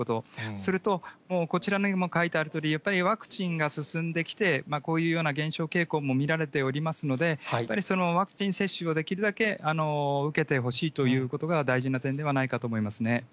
それとこちらにも書いてあるとおり、やっぱりワクチンが進んできて、こういうような減少傾向も見られておりますので、やっぱりワクチン接種をできるだけ受けてほしいということが大事な点ではないかと思いますね。